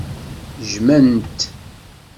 Jjmen-t.